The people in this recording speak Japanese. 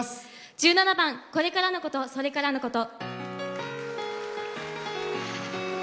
１７番「これからのこと、それからのこと」。